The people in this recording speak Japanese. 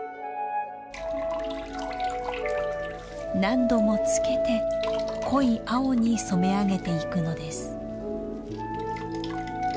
何度もつけて濃い青に染め上げていくのです。